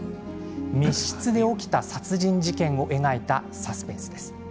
密室で起きた殺人事件を描いたサスペンスです。